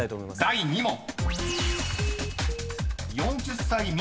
［第２問］